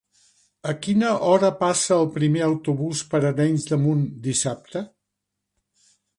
A quina hora passa el primer autobús per Arenys de Munt dissabte?